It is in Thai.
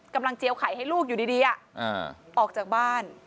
เจียวไข่ให้ลูกอยู่ดีออกจากบ้าน